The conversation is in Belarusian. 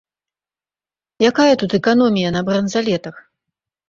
Якая тут эканомія на бранзалетах.